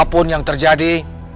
apapun yang terjadi